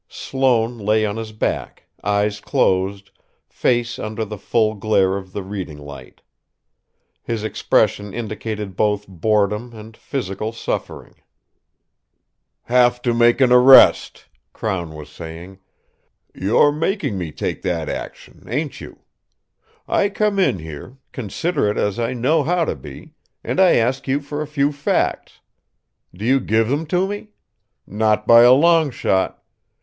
Sloane lay on his back, eyes closed, face under the full glare of the reading light. His expression indicated both boredom and physical suffering. " have to make an arrest!" Crown was saying. "You're making me take that action ain't you? I come in here, considerate as I know how to be, and I ask you for a few facts. Do you give 'em to me? Not by a long shot!